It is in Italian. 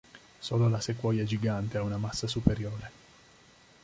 Solo la Sequoia Gigante ha una massa superiore.